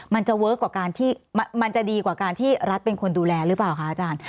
มันจะดีกว่าการที่รัฐเป็นคนดูแลหรือเปล่าคะอาจารย์